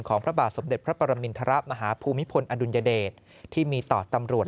พระบาทสมเด็จพระปรมินทรมาฮภูมิพลอดุลยเดชที่มีต่อตำรวจ